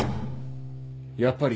・やっぱり！